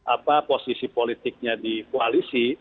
apa posisi politiknya di koalisi